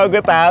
oh gue tahu